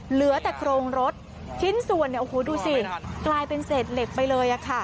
เหลือแต่โครงรถขิ้นส่วนดูสิกลายเป็นเศษเหล็กไปเลย